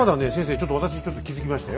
ちょっと私ちょっと気付きましたよ